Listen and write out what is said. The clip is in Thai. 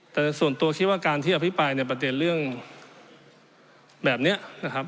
แต่ส่วนตัวคิดว่าการที่อภิปรายในประเด็นเรื่องแบบนี้นะครับ